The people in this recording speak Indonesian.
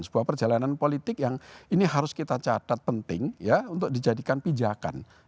sebuah perjalanan politik yang ini harus kita catat penting ya untuk dijadikan pijakan